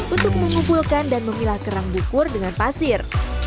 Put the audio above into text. untuk mengumpulkan dan memilah kerang bukur dengan pasir